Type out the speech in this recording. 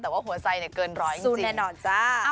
แต่ว่าหัวใสเกินร้อยจริง